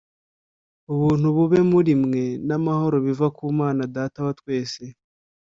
Ubuntu bube muri mwe n’amahoro biva ku Mana Data wa twese